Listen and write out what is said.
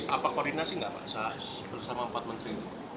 apa koordinasi gak pak bersama empat menteri